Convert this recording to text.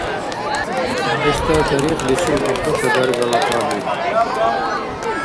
Дагъиста тарихлизиб Ахъуша-Даргала кьадри